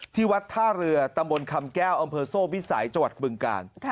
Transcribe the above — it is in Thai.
ที่วัดท่าเรือตำบลคำแก้วอำเภอโซ่พิสัยจังหวัดบึงกาล